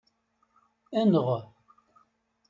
Enɣ.